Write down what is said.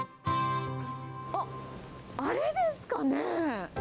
あっ、あれですかね。